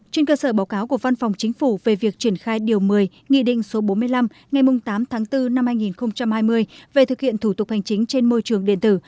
trên cơ sở báo cáo của văn phòng chính phủ về việc triển khai điều một mươi nghị định số bốn mươi năm ngày tám tháng bốn năm hai nghìn hai mươi về thực hiện thủ tục hành chính trên môi trường điện tử